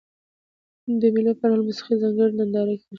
د مېلو پر مهال د موسیقۍ ځانګړي نندارې کیږي.